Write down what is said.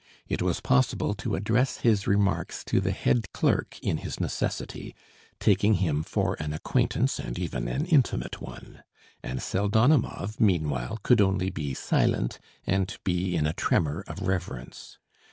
It was possible to address his remarks to the head clerk in his necessity, taking him for an acquaintance and even an intimate one, and Pseldonimov meanwhile could only be silent and be in a tremor of reverence.